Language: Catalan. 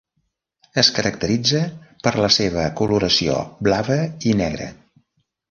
Es caracteritza per la seva coloració blava i negra.